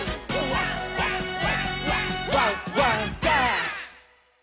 「ワンワンワンワンワンワンダンス！」